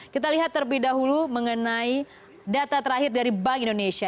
kita lihat terlebih dahulu mengenai data terakhir dari bank indonesia